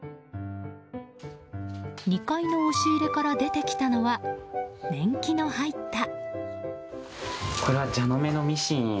２階の押し入れから出てきたのは年季の入った。